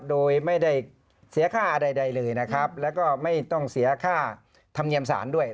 โดยไม่ได้เสียค่าใดเลยนะครับแล้วก็ไม่ต้องเสียค่าธรรมเนียมสารด้วย